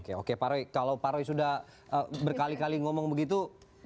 oke oke parwi kalau parwi sudah berkali kali ngomong begitu